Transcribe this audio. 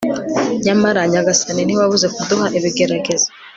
nyamara, nyagasani, ntiwabuze kuduha ibigeragezo